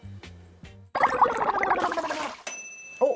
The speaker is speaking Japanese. あっ！